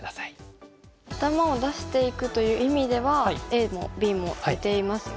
頭を出していくという意味ではＡもＢも似ていますよね。